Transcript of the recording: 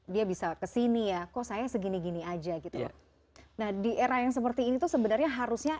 dia bisa kesini ya kok saya segini gini aja gitu nah di era yang seperti ini tuh sebenarnya harusnya